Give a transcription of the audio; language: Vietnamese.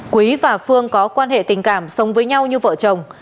quý và phương có quan hệ tình cảm sống với nhau như vợ chồng